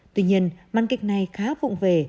tuy nhiên màn kịch này khá vụn về